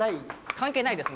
関係ないですね。